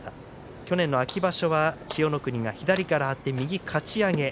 去年の秋場所は、千代の国が左から張って右かち上げ。